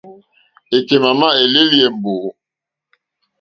Èkémà émá èlélí è mbǒ.